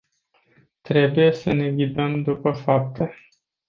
Trebuie să ne ghidăm după fapte.